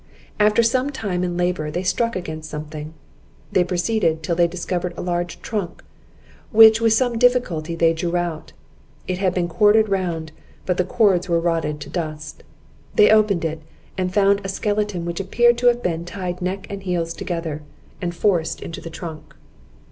After some time and labour they struck against something. They proceeded till they discovered a large trunk, which with some difficulty they drew out. It had been corded round, but the cords were rotted to dust. They opened it, and found a skeleton which appeared to have been tied neck and heels together, and forced into the trunk.